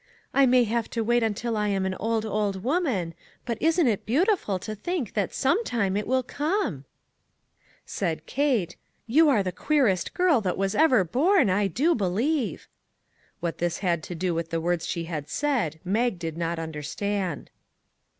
" I may have to wait until I am an old, old woman; but isn't it beautiful to think that some time it will come !" Said Kate :" You are the queerest girl that was ever born, I do believe !" What this had 125 MAG AND MARGARET to do with the words she had said, Mag did not understand.